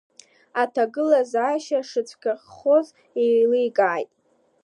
Аҭагылазаашьа шыцәгьахоз еиликааит.